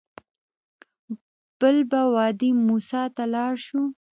بل به وادي موسی ته لاړ شو.